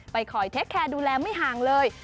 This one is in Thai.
คอยเทคแคร์ดูแลไม่ห่างเลย